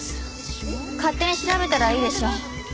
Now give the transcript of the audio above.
勝手に調べたらいいでしょ。